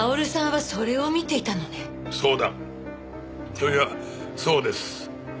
あっいやそうです。